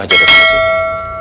saya sengaja dukenan ini